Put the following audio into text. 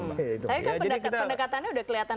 tapi pendekatannya sudah kelihatan